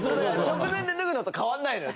直前で脱ぐのと変わらないのよ。